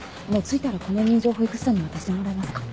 着いたらこの委任状を保育士さんに渡してもらえますか。